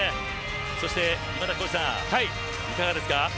そして今田さん、いかがですか。